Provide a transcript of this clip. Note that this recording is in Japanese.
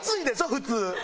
普通。